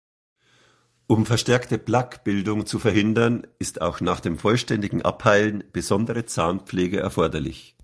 Um verstärkte Plaque-Bildung zu verhindern, ist auch nach dem vollständigen Abheilen besondere Zahnpflege erforderlich.